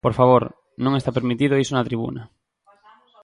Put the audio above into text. Por favor, non está permitido iso na tribuna.